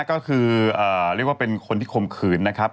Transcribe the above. ก็คือเรียกว่าเป็นคนที่ข่มขืนนะครับ